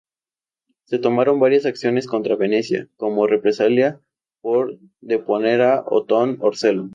Se tomaron varias acciones contra Venecia como represalia por deponer a Ottone Orseolo.